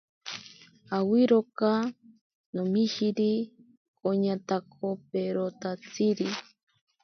Awiroka nomishiri koñatakoperotatsiri.